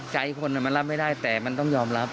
ใจคนมันรับไม่ได้แต่มันต้องยอมรับ